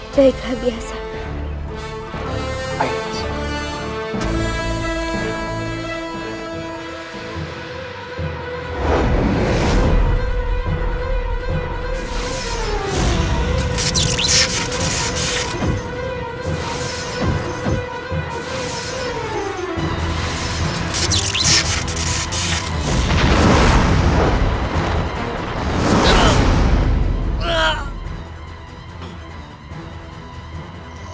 jadi rai kian santang